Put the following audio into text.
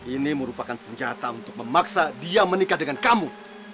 ini merupakan senjata untuk memaksa dia menikah dengan kamu